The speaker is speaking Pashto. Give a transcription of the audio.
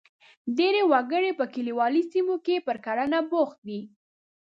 ډېری وګړي په کلیوالي سیمو کې پر کرنه بوخت دي.